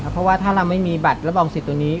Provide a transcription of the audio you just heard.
เพราะว่าถ้าเราไม่มีบัตรรับรองสิทธิ์ตัวนี้